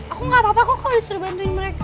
aku nggak apa apa kok kok disuruh bantuin mereka